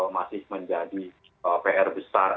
masih menjadi pr besar